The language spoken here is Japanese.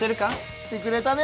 来てくれたね